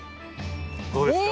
どうですか？